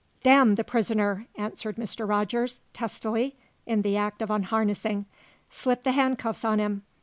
"D n the prisoner!" answered Mr. Rogers, testily, in the act of unharnessing. "Slip the handcuffs on him.